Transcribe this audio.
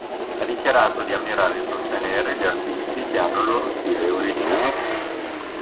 Ha dichiarato di ammirare e sostenere gli artisti che hanno il loro stile originale.